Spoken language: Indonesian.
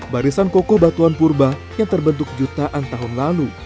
barisan kokoh batuan purba yang terbentuk jutaan tahun lalu